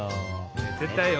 ねてたよ。